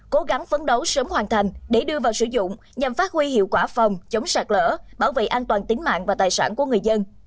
cố gắng phấn đấu sớm hoàn thành để đưa vào sử dụng nhằm phát huy hiệu quả phòng chống sạt lỡ bảo vệ an toàn tính mạng và tài sản của người dân